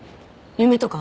夢とか？